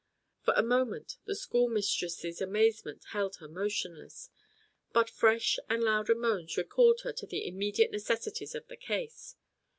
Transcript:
For a moment the schoolmistress's amazement held her motionless, but fresh and louder moans recalled her to the immediate necessities of the case.